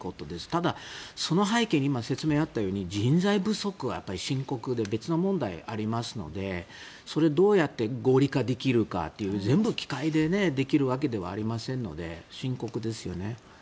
ただ、その背景に今、説明があったように人材不足は深刻で別な問題がありますのでそれをどうやって合理化できるかという全部、機械でできるわけではありませんので深刻ですよね。